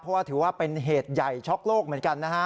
เพราะว่าถือว่าเป็นเหตุใหญ่ช็อกโลกเหมือนกันนะฮะ